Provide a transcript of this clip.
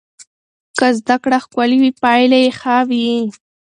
که زده کړه ښکلې وي پایله یې ښه وي.